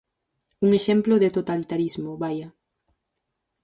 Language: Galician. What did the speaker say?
Un exemplo de totalitarismo, vaia.